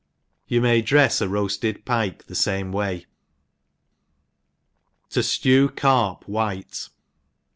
You may drcfsa roaftcd pike the fame way. Tojlew Carp wiite.